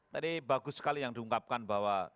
tadi bagus sekali yang diungkapkan bahwa